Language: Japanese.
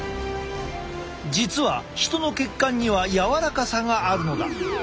実は人の血管には柔らかさがあるのだ。